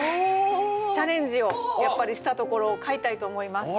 チャレンジをやっぱりしたところを買いたいと思います。